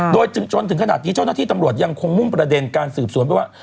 โดยจนถึงขนาดนี้เจ้าหน้าที่ตำรวจยังคงมุ่งประเด็นการสืบสวนไปว่า